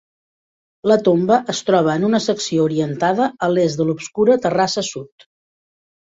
La tomba es troba en una secció orientada a l'est de l'obscura terrassa sud.